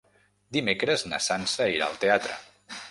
Dimecres na Sança irà al teatre.